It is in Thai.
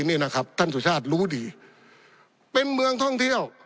นี่นะครับท่านสุชาติรู้ดีเป็นเมืองท่องเที่ยว